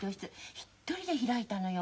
一人で開いたのよ。